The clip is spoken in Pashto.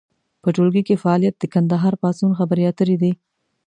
په ټولګي کې فعالیت د کندهار پاڅون خبرې اترې دي.